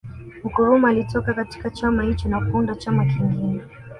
Nkrumah alitoka katika chama hicho na kuuunda chama kingine